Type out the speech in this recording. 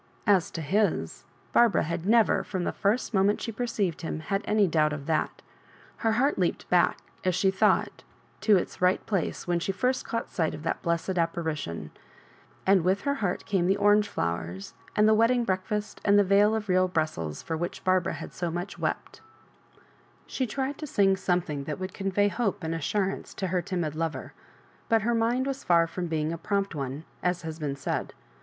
As to his, Bar bara bad never, from the first moment she perceived him, had any doubt of that Her heart leaped back, as she thought, to its right place when she first caught sight of that blessed apparition; and with her heart came the orange fiowers, and the wedding break fast, and the veil of real Brussels for which Barbara had so much wept She tried to sing something that would convey hope and assur ance to her timid lover; but her mind was far fron^^being a prompt one, as has been said.